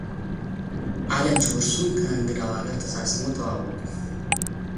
አለችው እርሱም ከእንግዳዋ ጋር ተሳስሞ ተዋወቁ፡፡